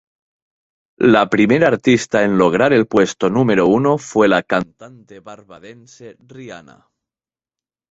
La primera artista en lograr el puesto número uno fue la cantante barbadense Rihanna.